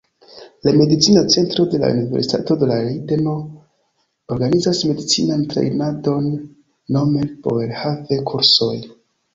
La Medicina Centro de la Universitato de Lejdeno organizas medicinan trejnadon nome "Boerhaave-kursoj".